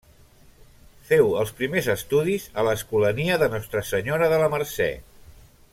Feu els primers estudis a l'escolania de Nostra Senyora de la Mercè.